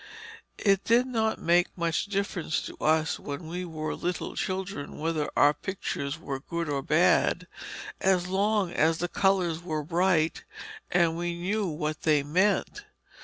It did not make much difference to us when we were little children whether our pictures were good or bad, as long as the colours were bright and we knew what they meant.